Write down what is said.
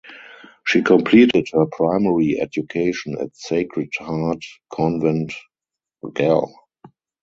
She completed her primary education at Sacred Heart Convent Galle.